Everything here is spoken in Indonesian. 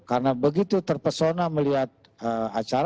karena begitu terpesona melihat acara